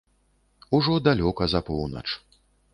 Ужо далёка за поўнач.